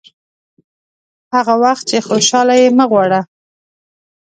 هغه وخت چې خوشاله یې مه غواړه.